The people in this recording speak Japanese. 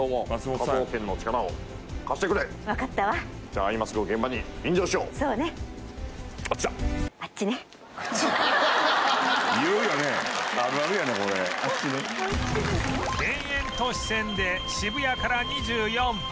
田園都市線で渋谷から２４分